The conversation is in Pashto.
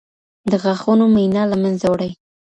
د غاښونو مینا له منځه وړي.